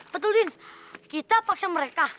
betul din kita paksa mereka